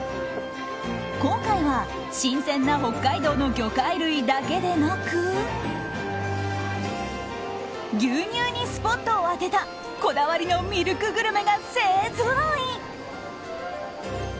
今回は新鮮な北海道の魚介類だけでなく牛乳にスポットを当てたこだわりのミルクグルメが勢ぞろい。